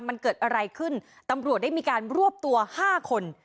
มันเกิดอะไรขึ้นตำรวจได้มีการรวบตัว๕คน